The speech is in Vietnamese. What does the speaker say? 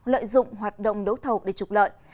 lợi dụng hoạt động đấu thầu để trục lợi